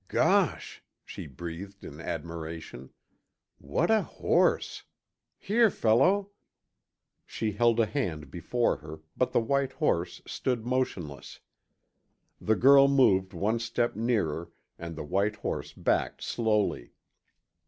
"Gosh!" she breathed in admiration. "What a horse! Here, fellow!" She held a hand before her, but the white horse stood motionless. The girl moved one step nearer, and the white horse backed slowly.